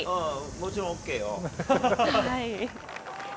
もちろん、ＯＫよ。